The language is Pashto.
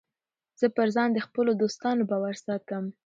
زه پر ځان د خپلو دوستانو باور ساتم.